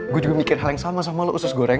gue juga mikir hal yang sama sama lo usus goreng